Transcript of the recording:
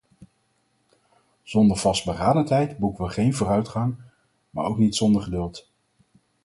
Zonder vastberadenheid boeken we geen voortgang, maar ook niet zonder geduld.